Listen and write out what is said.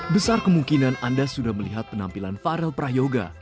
besar kemungkinan anda sudah melihat penampilan farel prayoga